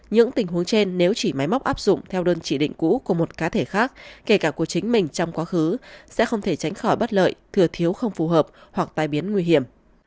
những tình huống trên nếu chỉ máy móc áp dụng theo đơn chỉ định cũ của một cá thể khác kể cả của chính mình trong quá khứ sẽ không thể tránh khỏi bất lợi thừa thiếu không phù hợp hoặc tai biến nguy hiểm